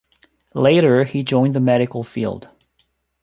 Later she joined the medical field.